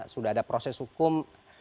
sudah ada proses hukum